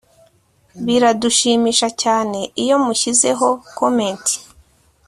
biradushimisha cyane iyo mushyizeho comment